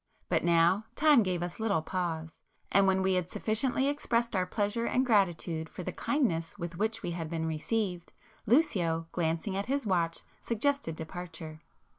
But now time gave us little pause,—and when we had sufficiently expressed our pleasure and gratitude for the kindness with which we had been received, Lucio, glancing at his watch, suggested departure.